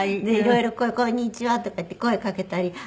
いろいろ「こんにちは」とかって声かけたり。